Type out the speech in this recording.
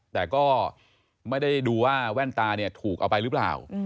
แต่ก็ไม่ได้ดูว่าแว่นตาเนี่ยถูกเอาไปหรือเปล่า